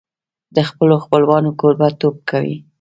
د خپلو خپلوانو کوربهتوب کوي.